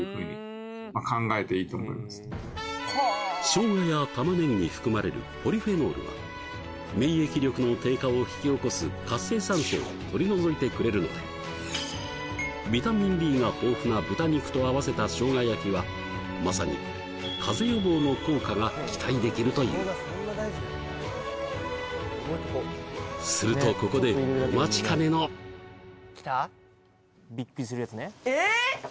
しょうがやタマネギに含まれるポリフェノールは免疫力の低下を引き起こす活性酸素を取り除いてくれるのでビタミンＢが豊富な豚肉と合わせたしょうが焼きはまさに風邪予防の効果が期待できるというするとここでお待ちかねのええ！？